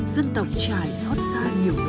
dân tộc trải xót xa nhiều nơi